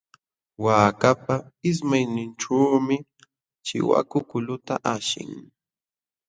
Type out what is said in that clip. Waakapa ismayninćhuumi chiwaku kuluta ashin.